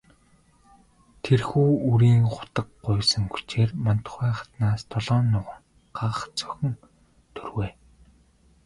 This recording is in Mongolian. Тэрхүү үрийн хутаг гуйсан хүчээр Мандухай хатнаас долоон нуган, гагц охин төрвэй.